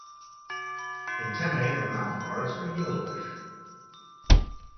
Antennae and mouthparts are yellowish.